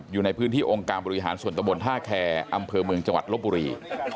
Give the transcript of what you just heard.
อยู่ในพื้นที่องค์การบริหารส่วนตะบนท่าแคร์อำเภอเมืองจังหวัดลบบุรี